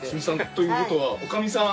という事は女将さん？